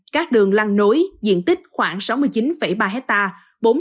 các đường lăng nối diện tích khoảng sáu mươi chín ba hectare